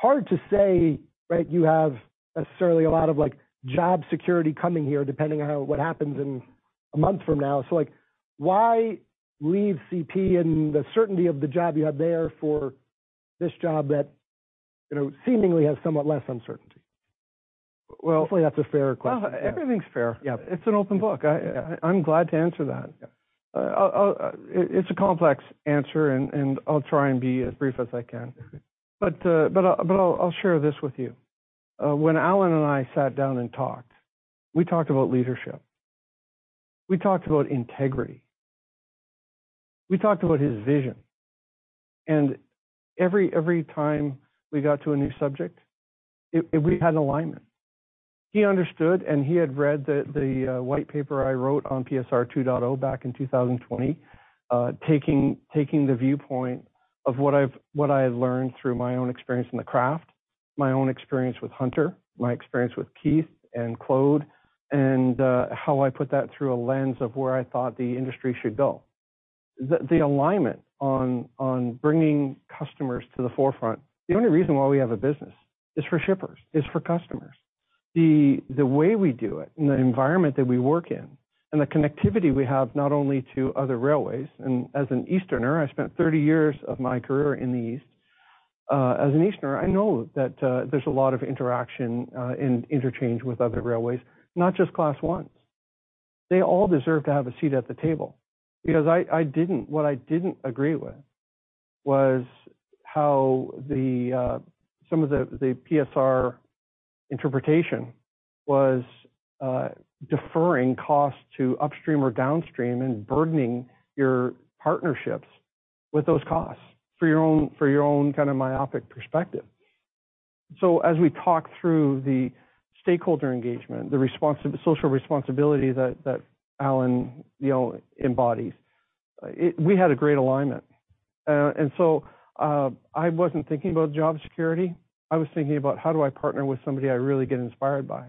hard to say, right? You have necessarily a lot of, like, job security coming here, depending on how what happens in a month from now. So like, why leave CP and the certainty of the job you have there for this job that, you know, seemingly has somewhat less uncertainty? Well, hopefully that's a fair question. Everything's fair. Yeah. It's an open book. I'm glad to answer that. Yeah. It's a complex answer, and I'll try and be as brief as I can. But I'll share this with you. When Alan and I sat down and talked, we talked about leadership. We talked about integrity, we talked about his vision, and every time we got to a new subject, it, we had alignment. He understood, and he had read the white paper I wrote on PSR 2.0 back in 2020. Taking the viewpoint of what I had learned through my own experience in the craft, my own experience with Hunter, my experience with Keith and Claude, and how I put that through a lens of where I thought the industry should go. The alignment on bringing customers to the forefront, the only reason why we have a business is for shippers, is for customers. The way we do it and the environment that we work in, and the connectivity we have not only to other railways, and as an Easterner, I spent 30 years of my career in the East. As an Easterner, I know that, there's a lot of interaction, and interchange with other railways, not just Class I's. They all deserve to have a seat at the table, because I didn't, what I didn't agree with was how some of the PSR interpretation was, deferring costs to upstream or downstream, and burdening your partnerships with those costs for your own, for your own kind of myopic perspective. So as we talk through the stakeholder engagement, the response, the social responsibility that Alan, you know, embodies, it, we had a great alignment. And so, I wasn't thinking about job security. I was thinking about: How do I partner with somebody I really get inspired by?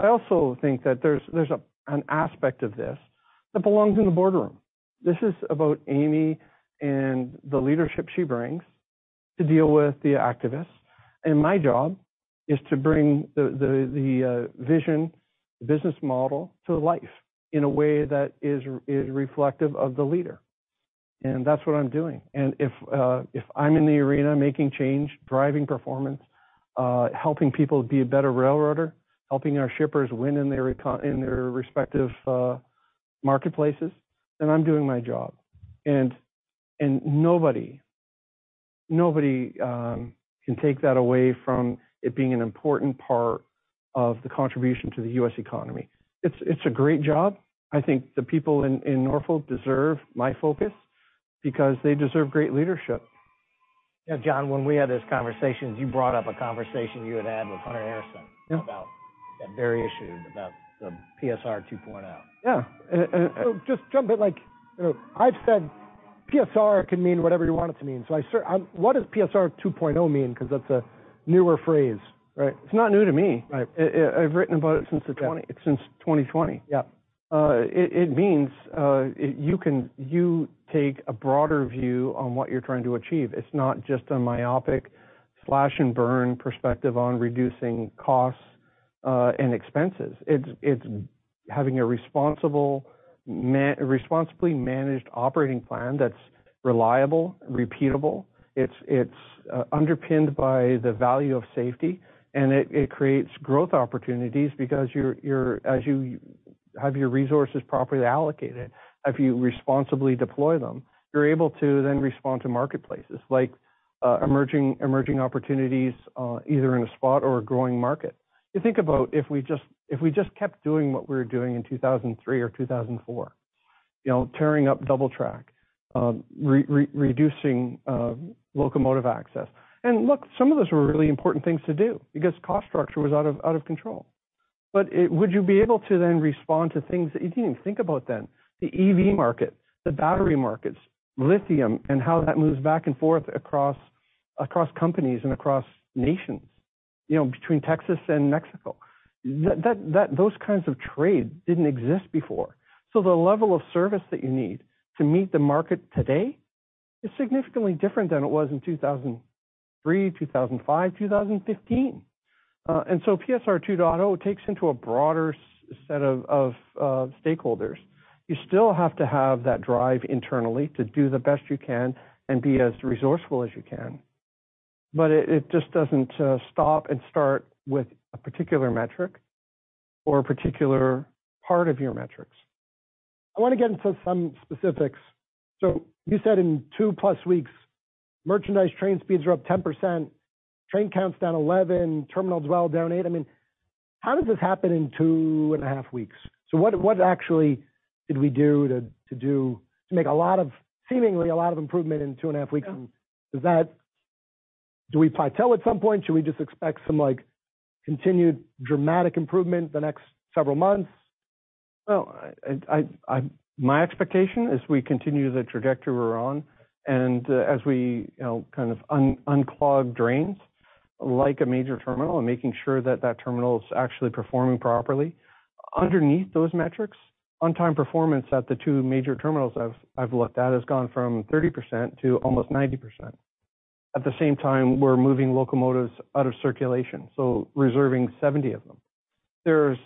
I also think that there's an aspect of this that belongs in the boardroom. This is about Amy and the leadership she brings to deal with the activists, and my job is to bring the vision, the business model to life in a way that is reflective of the leader, and that's what I'm doing. And if I'm in the arena, making change, driving performance, helping people be a better railroader, helping our shippers win in their respective marketplaces, then I'm doing my job. And nobody can take that away from it being an important part of the contribution to the US economy. It's a great job. I think the people in Norfolk deserve my focus because they deserve great leadership. Yeah, John, when we had this conversation, you brought up a conversation you had had with Hunter Harrison- Yeah -about that very issue, about the PSR 2.0. Yeah. So just jump in, like, you know, I've said PSR can mean whatever you want it to mean. So, what does PSR 2.0 mean? Because that's a newer phrase, right? It's not new to me. Right. I've written about it since 2020. Yeah. It means you take a broader view on what you're trying to achieve. It's not just a myopic slash-and-burn perspective on reducing costs and expenses. It's having a responsibly managed operating plan that's reliable and repeatable. It's underpinned by the value of safety, and it creates growth opportunities because you're -- as you have your resources properly allocated, if you responsibly deploy them, you're able to then respond to marketplaces, like, emerging opportunities, either in a spot or a growing market. You think about if we just kept doing what we were doing in 2003 or 2004, you know, tearing up double track, reducing locomotive access. And look, some of those were really important things to do because cost structure was out of control. But it -- would you be able to then respond to things that you didn't even think about then? The EV market, the battery markets, lithium, and how that moves back and forth across companies and across nations, you know, between Texas and Mexico. That those kinds of trade didn't exist before. So the level of service that you need to meet the market today is significantly different than it was in 2003, 2005, 2015. And so PSR 2.0 takes into a broader set of stakeholders. You still have to have that drive internally to do the best you can and be as resourceful as you can, but it just doesn't stop and start with a particular metric or a particular part of your metrics. I want to get into some specifics. So you said in 2+ weeks, merchandise train speeds are up 10%, train counts down 11, terminal dwell down eight. I mean, how does this happen in 2.5 weeks? So what actually did we do to do to make a lot of, seemingly, a lot of improvement in 2.5 weeks? Yeah. And does that... Do we plateau at some point? Should we just expect some, like, continued dramatic improvement in the next several months? Well, my expectation is we continue the trajectory we're on, and, as we, you know, kind of unclog drains, like a major terminal, and making sure that that terminal is actually performing properly... Underneath those metrics, on-time performance at the two major terminals I've looked at, has gone from 30% to almost 90%. At the same time, we're moving locomotives out of circulation, so reserving 70 of them. There's.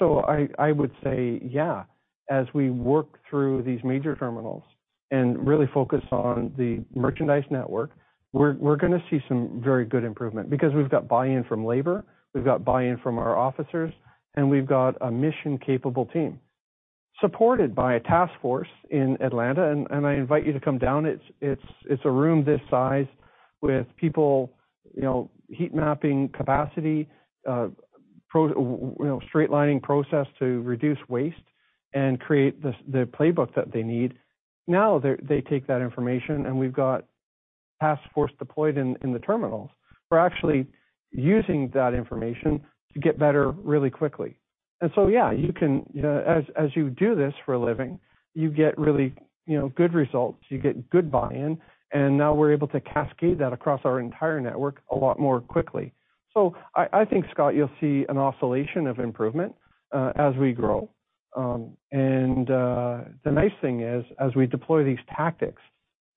So I would say, yeah, as we work through these major terminals and really focus on the merchandise network, we're gonna see some very good improvement because we've got buy-in from labor, we've got buy-in from our officers, and we've got a mission-capable team, supported by a task force in Atlanta. And I invite you to come down. It's a room this size with people, you know, heat mapping capacity, you know, straight lining process to reduce waste and create the playbook that they need. Now, they take that information, and we've got task force deployed in the terminals. We're actually using that information to get better really quickly. And so, yeah, you can. As you do this for a living, you get really, you know, good results. You get good buy-in, and now we're able to cascade that across our entire network a lot more quickly. So I think, Scott, you'll see an oscillation of improvement as we grow. The nice thing is, as we deploy these tactics,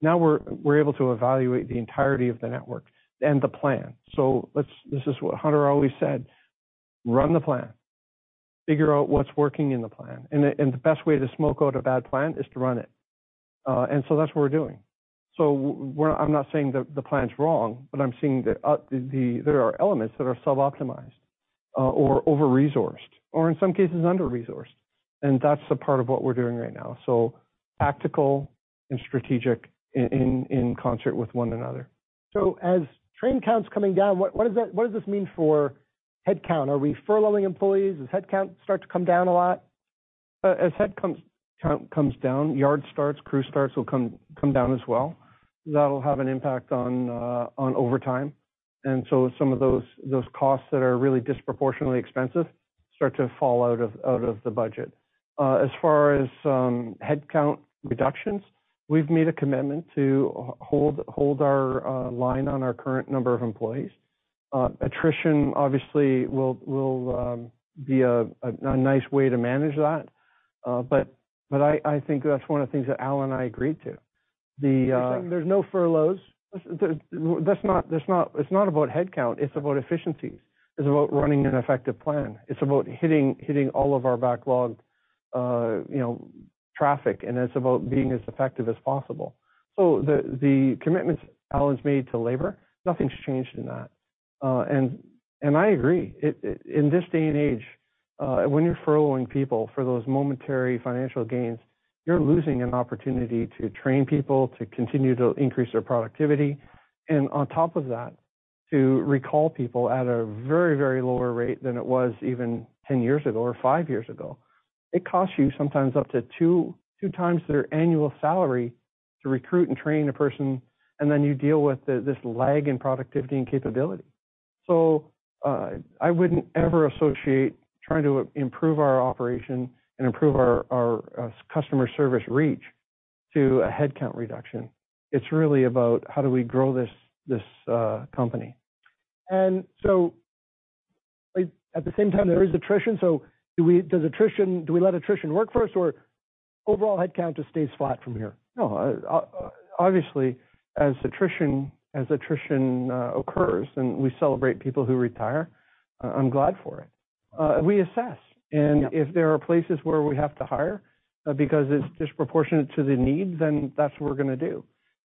now we're able to evaluate the entirety of the network and the plan. So let's— This is what Hunter always said: "Run the plan. Figure out what's working in the plan." And the best way to smoke out a bad plan is to run it. And so that's what we're doing. So we're— I'm not saying the plan's wrong, but I'm seeing that there are elements that are sub-optimized, or over-resourced, or in some cases, under-resourced. That's a part of what we're doing right now. So tactical and strategic in concert with one another. So as train counts coming down, what does this mean for headcount? Are we furloughing employees? Does headcount start to come down a lot? As headcount comes down, yard starts, crew starts will come down as well. That'll have an impact on overtime. And so some of those costs that are really disproportionately expensive start to fall out of the budget. As far as headcount reductions, we've made a commitment to hold our line on our current number of employees. Attrition obviously will be a nice way to manage that, but I think that's one of the things that Alan and I agreed to. The- There's no furloughs? It's not about headcount, it's about efficiencies. It's about running an effective plan. It's about hitting all of our backlog, you know, traffic, and it's about being as effective as possible. So the commitments Alan's made to labor, nothing's changed in that. And I agree. In this day and age, when you're furloughing people for those momentary financial gains, you're losing an opportunity to train people, to continue to increase their productivity, and on top of that, to recall people at a very, very lower rate than it was even 10 years ago or five years ago. It costs you sometimes up to 2 times their annual salary to recruit and train a person, and then you deal with this lag in productivity and capability. So, I wouldn't ever associate trying to improve our operation and improve our customer service reach to a headcount reduction. It's really about, how do we grow this company. And so, at the same time, there is attrition. So do we let attrition work for us, or overall headcount just stays flat from here? No, obviously, as attrition occurs, and we celebrate people who retire, I'm glad for it. We assess, and- Yeah... if there are places where we have to hire, because it's disproportionate to the needs, then that's what we're gonna do.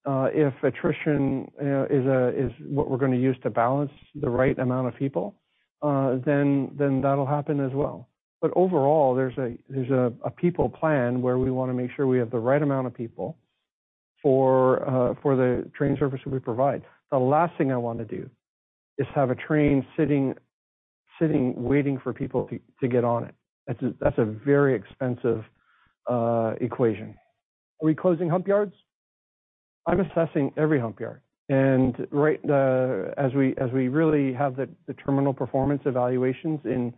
If attrition is what we're gonna use to balance the right amount of people, then that'll happen as well. But overall, there's a people plan, where we wanna make sure we have the right amount of people for the train service that we provide. The last thing I want to do is have a train sitting waiting for people to get on it. That's a very expensive equation. Are we closing hump yards? I'm assessing every hump yard. And right, as we really have the terminal performance evaluations in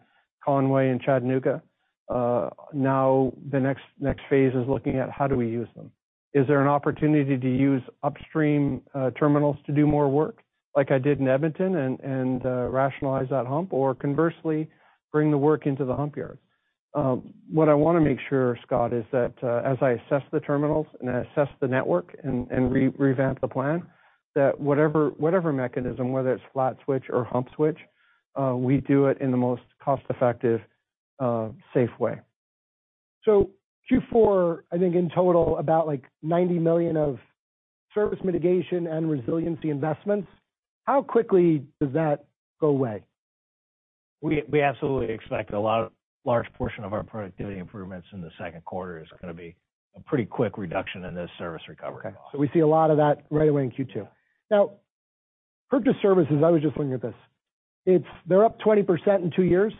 Conway and Chattanooga, now the next phase is looking at how do we use them. Is there an opportunity to use upstream terminals to do more work, like I did in Edmonton, and rationalize that hump, or conversely, bring the work into the hump yard? What I wanna make sure, Scott, is that, as I assess the terminals and I assess the network and revamp the plan, that whatever mechanism, whether it's flat switch or hump switch, we do it in the most cost-effective, safe way. So Q4, I think in total, about, like, $90 million of service mitigation and resiliency investments. How quickly does that go away? We absolutely expect a large portion of our productivity improvements in the second quarter is gonna be a pretty quick reduction in this service recovery costs. Okay. So we see a lot of that right away in Q2. Now, purchased services, I was just looking at this. It's-- They're up 20% in two years.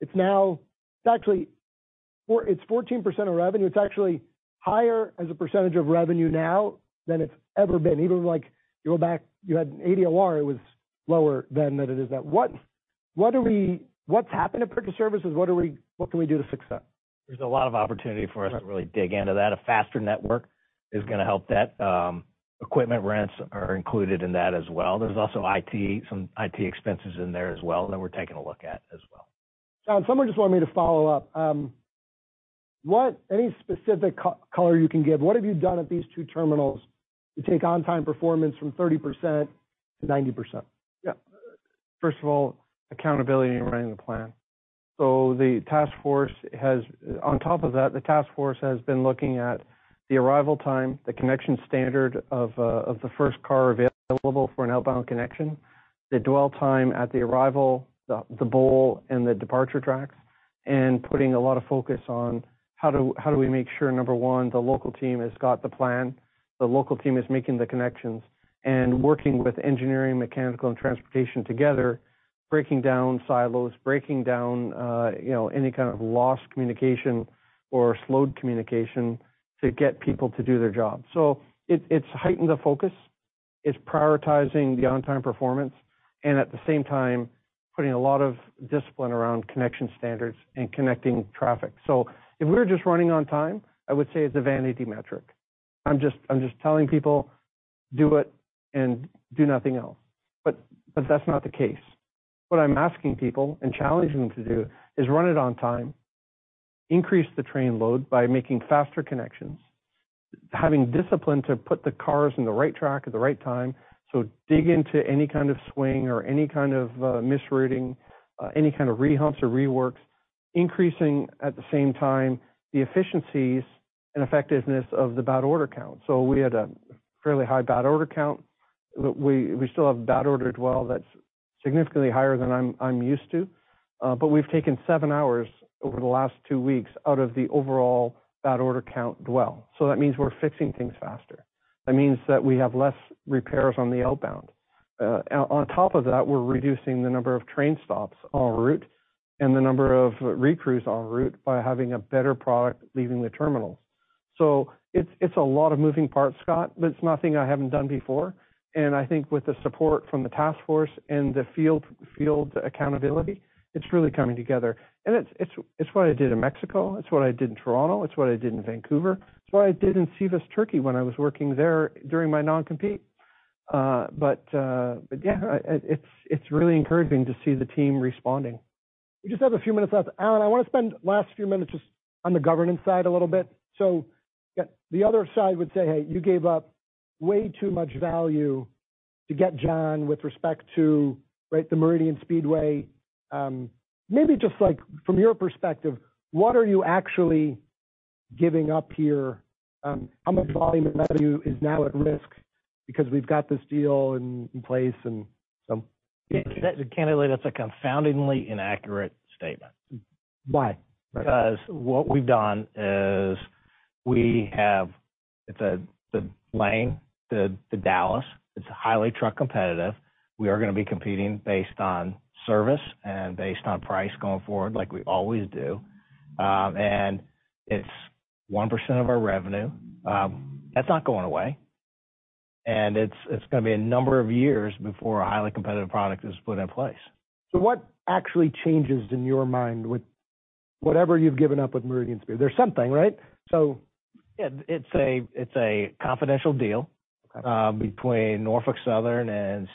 It's now-- It's actually four-- It's 14% of revenue. It's actually higher as a percentage of revenue now than it's ever been. Even, like, you go back, you had OR, it was lower than that it is now. What, what do we-- What's happened to purchased services? What do we-- What can we do to fix that? There's a lot of opportunity for us to really dig into that. A faster network is gonna help that. Equipment rents are included in that as well. There's also IT, some IT expenses in there as well, that we're taking a look at as well. John, someone just wanted me to follow up. What any specific color you can give, what have you done at these two terminals to take on-time performance from 30% to 90%? Yeah. First of all, accountability and running the plan. So the task force has—on top of that, the task force has been looking at the arrival time, the connection standard of the first car available for an outbound connection, the dwell time at the arrival, the bowl, and the departure tracks, and putting a lot of focus on how do we make sure, number one, the local team has got the plan, the local team is making the connections. And working with engineering, mechanical, and transportation together, breaking down silos, breaking down, you know, any kind of lost communication or slowed communication to get people to do their job. So it's heightened the focus. It's prioritizing the on-time performance and at the same time, putting a lot of discipline around connection standards and connecting traffic. So if we were just running on time, I would say it's a vanity metric. I'm just, I'm just telling people, do it and do nothing else. But, but that's not the case. What I'm asking people and challenging them to do, is run it on time, increase the train load by making faster connections, having discipline to put the cars in the right track at the right time. So dig into any kind of swing or any kind of misreading, any kind of rehumps or reworks, increasing, at the same time, the efficiencies and effectiveness of the bad order count. So we had a fairly high bad order count, but we, we still have a bad order dwell that's significantly higher than I'm, I'm used to. But we've taken 7 hours over the last 2 weeks out of the overall bad order count dwell. So that means we're fixing things faster. That means that we have less repairs on the outbound. On top of that, we're reducing the number of train stops en route and the number of recrews en route by having a better product leaving the terminal. So it's a lot of moving parts, Scott, but it's nothing I haven't done before, and I think with the support from the task force and the field accountability, it's really coming together. And it's what I did in Mexico, it's what I did in Toronto, it's what I did in Vancouver. It's what I did in Sivas, Turkey, when I was working there during my non-compete. But yeah, it's really encouraging to see the team responding. We just have a few minutes left. Alan, I wanna spend the last few minutes just on the governance side a little bit. So, yeah, the other side would say, "Hey, you gave up way too much value to get John with respect to, right, the Meridian Speedway." Maybe just like from your perspective, what are you actually giving up here? How much volume and value is now at risk because we've got this deal in place and so- Candidly, that's a confoundingly inaccurate statement. Why? Because what we've done is we have, it's the lane to Dallas, it's highly truck competitive. We are gonna be competing based on service and based on price going forward like we always do. And it's 1% of our revenue, that's not going away, and it's gonna be a number of years before a highly competitive product is put in place. So what actually changes in your mind with whatever you've given up with Meridian Speedway? There's something, right? So- Yeah, it's a confidential deal- Okay. Between Norfolk Southern and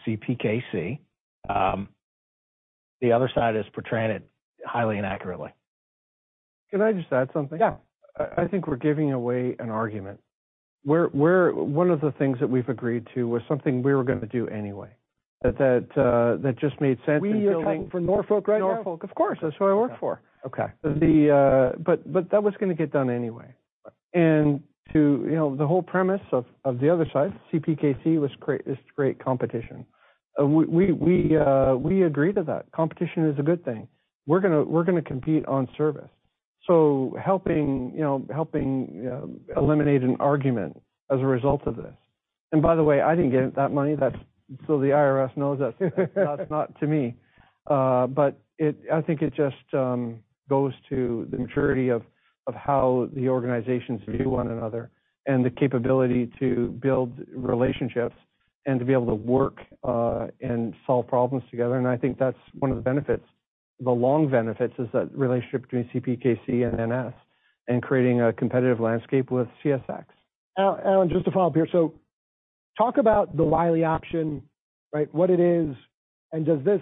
CPKC. The other side is portraying it highly inaccurately. Can I just add something? Yeah. I think we're giving away an argument. One of the things that we've agreed to was something we were gonna do anyway. That just made sense- We are talking for Norfolk right now? Norfolk, of course, that's who I work for. Okay. But, but that was gonna get done anyway. Right. And to, you know, the whole premise of the other side, CPKC, was great, is great competition. We agree to that. Competition is a good thing. We're gonna compete on service. So helping, you know, helping eliminate an argument as a result of this. And by the way, I didn't get that money. That's so the IRS knows that. That's not to me. But it, I think it just goes to the maturity of how the organizations view one another and the capability to build relationships and to be able to work, and solve problems together. And I think that's one of the benefits. The long benefits is that relationship between CPKC and NS, and creating a competitive landscape with CSX. Alan, just to follow up here. So talk about the Wylie option, right? What it is, and does this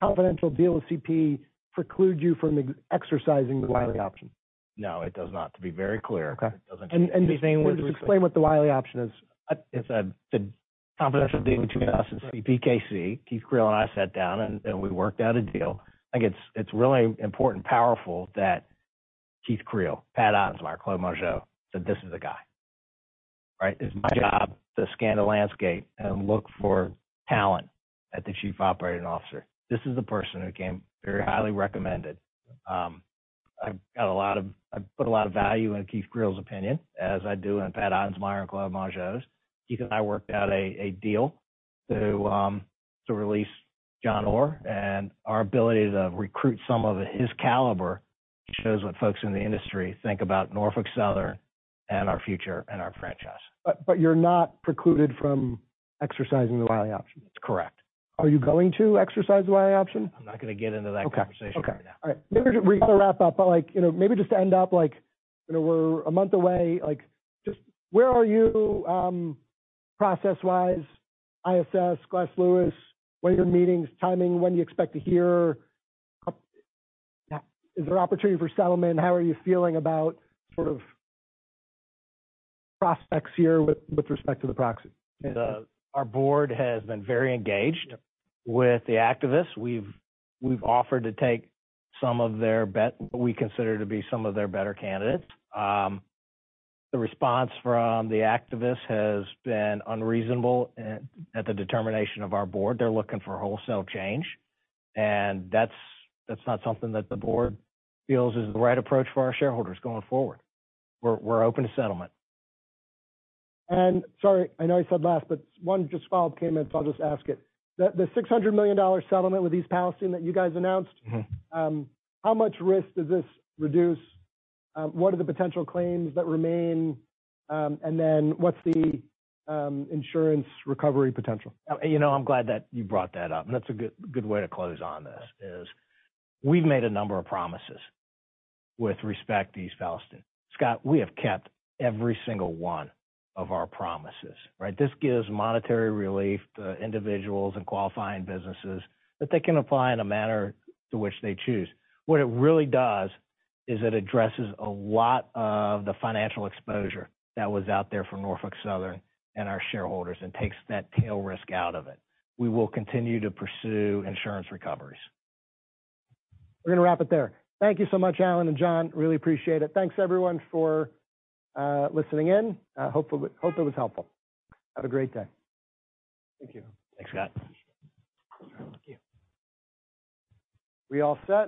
confidential deal with CP preclude you from exercising the Wylie option? No, it does not, to be very clear. Okay. It doesn't- And just explain what the Wylie option is. It's the confidential deal between us and CPKC. Keith Creel and I sat down, and we worked out a deal. I think it's really important and powerful that Keith Creel, Pat Ottensmeyer, Claude Mongeau, said, "This is the guy." Right? It's my job to scan the landscape and look for talent at the chief operating officer. This is the person who came very highly recommended. I've put a lot of value in Keith Creel's opinion, as I do in Pat Ottensmeyer and Claude Mongeau's. Keith and I worked out a deal to release John Orr, and our ability to recruit someone of his caliber, shows what folks in the industry think about Norfolk Southern and our future and our franchise. But, you're not precluded from exercising the Wylie? That's correct. Are you going to exercise the Y option? I'm not gonna get into that conversation right now. Okay, okay. All right. Maybe we gotta wrap up, but like, you know, maybe just to end up like, you know, we're a month away, like, just where are you process-wise, ISS, Glass Lewis, what are your meetings, timing, when do you expect to hear? Is there opportunity for settlement? How are you feeling about sort of prospects here with, with respect to the proxy? Our board has been very engaged with the activists. We've offered to take some of their bet, what we consider to be some of their better candidates. The response from the activists has been unreasonable at the determination of our board. They're looking for wholesale change, and that's not something that the board feels is the right approach for our shareholders going forward. We're open to settlement. Sorry, I know you said last, but one just follow-up came in, so I'll just ask it. The, the $600 million settlement with East Palestine that you guys announced. How much risk does this reduce? What are the potential claims that remain? And then what's the insurance recovery potential? You know, I'm glad that you brought that up, and that's a good, good way to close on this, is we've made a number of promises with respect to East Palestine. Scott, we have kept every single one of our promises, right? This gives monetary relief to individuals and qualifying businesses, that they can apply in a manner to which they choose. What it really does, is it addresses a lot of the financial exposure that was out there for Norfolk Southern and our shareholders, and takes that tail risk out of it. We will continue to pursue insurance recoveries. We're gonna wrap it there. Thank you so much, Alan and John. Really appreciate it. Thanks, everyone, for listening in. I hope it was helpful. Have a great day. Thank you. Thanks, Scott. We all set?